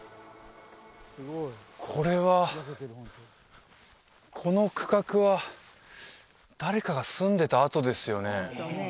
これはこの区画は誰かが住んでた跡ですよね？